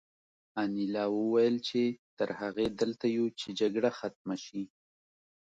انیلا وویل چې تر هغې دلته یو چې جګړه ختمه شي